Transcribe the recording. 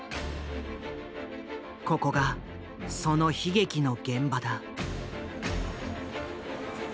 ここがその悲劇の現場だ。